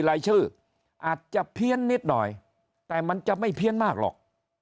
รายชื่ออาจจะเพี้ยนนิดหน่อยแต่มันจะไม่เพี้ยนมากหรอก